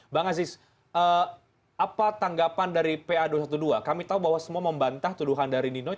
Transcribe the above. bang aziz apa tanggapan dari pa dua ratus dua belas kami tahu bahwa semua membantah tuduhan dari nino